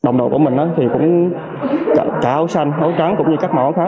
đội của mình thì cũng cả áo xanh áo trắng cũng như các màu áo khác